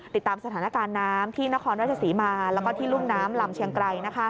ติดตามสถานการณ์น้ำที่นครราชศรีมาแล้วก็ที่รุ่มน้ำลำเชียงไกร